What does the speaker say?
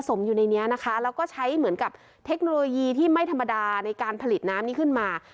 สมอยู่ในนี้นะคะแล้วก็ใช้เหมือนกับเทคโนโลยีที่ไม่ธรรมดาในการผลิตน้ำนี้ขึ้นมา